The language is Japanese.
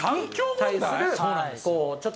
そうなんです。